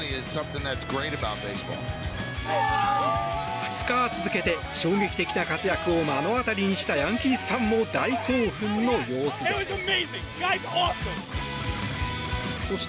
２日続けて衝撃的な活躍を目の当たりにしたヤンキースファンも大興奮の様子でした。